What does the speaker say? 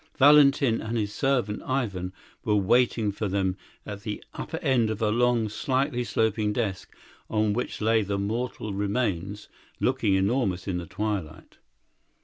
Valentin and his servant Ivan were waiting for them at the upper end of a long, slightly sloping desk, on which lay the mortal remains, looking enormous in the twilight.